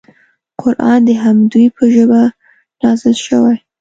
قران د همدوی په ژبه نازل شوی.